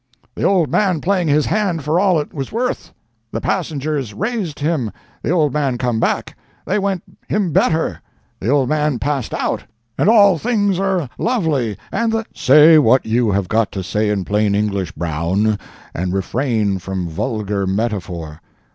The old man played his hand for all it was worth—the passengers raised him—the old man come back—they went him better—the old man passed out, and all things are lovely and the—" "Say what you have got to say in plain English, Brown, and refrain from vulgar metaphor."